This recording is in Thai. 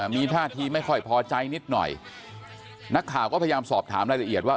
มีท่าทีไม่ค่อยพอใจนิดหน่อยนักข่าวก็พยายามสอบถามรายละเอียดว่า